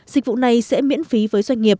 dịch vụ này sẽ miễn phí với doanh nghiệp